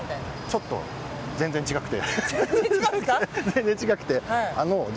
ちょっと全然違くて。